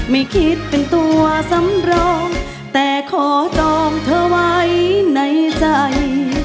ไม่คิดเป็นตัวสำรองแต่ขอจองเธอไว้ในใจ